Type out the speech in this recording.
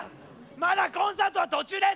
まだコンサートは途中です！